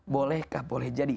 bolehkah boleh jadi islam